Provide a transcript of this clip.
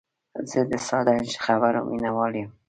زه د ساده خبرو مینوال یم.